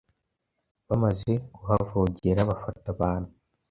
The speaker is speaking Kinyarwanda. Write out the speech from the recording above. Bamaze kuhavogera bafata abantu,